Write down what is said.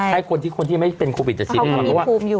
ให้คนที่ไม่เป็นโควิดจะฉีด